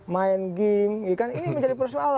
main game ini menjadi persoalan